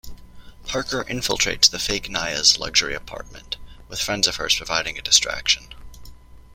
Parker infiltrates the fake Naia's luxury apartment, with friends of hers providing a distraction.